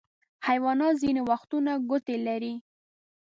حیوانات ځینې وختونه ګوتې لري.